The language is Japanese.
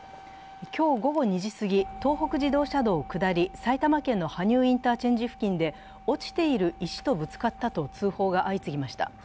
今日午後２時すぎ、東北自動車道下り、埼玉県の羽生インターチェンジ付近で落ちている石とぶつかったと通報が相次ぎました。